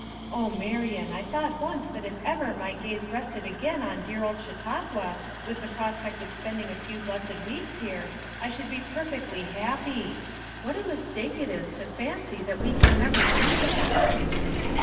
Oh, Marian, I thought once that if ever my gaze rested again on dear old Chautauqua with the prospect of spending a few blessed weeks here I should be perfectly happy. What a mistake it is to fancy that we can ever be that!"